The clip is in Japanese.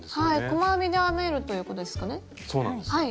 細編みで編めるということですかね。